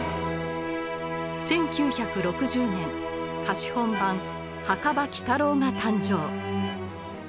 １９６０年貸本版「墓場鬼太郎」が誕生。